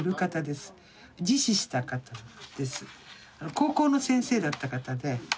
高校の先生だった方で。